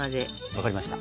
分かりました。